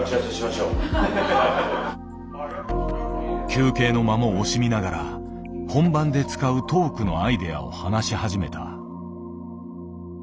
休憩の間も惜しみながら本番で使うトークのアイデアを話し始めた。